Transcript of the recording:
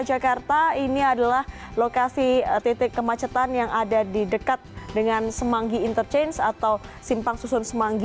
jakarta ini adalah lokasi titik kemacetan yang ada di dekat dengan semanggi interchange atau simpang susun semanggi